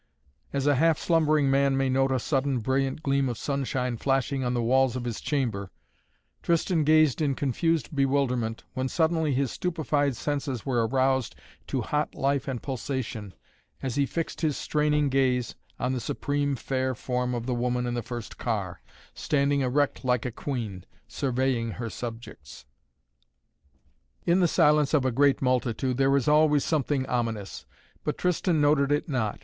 As a half slumbering man may note a sudden brilliant gleam of sunshine flashing on the walls of his chamber, Tristan gazed in confused bewilderment, when suddenly his stupefied senses were aroused to hot life and pulsation, as he fixed his straining gaze on the supreme fair form of the woman in the first car, standing erect like a queen, surveying her subjects. In the silence of a great multitude there is always something ominous. But Tristan noted it not.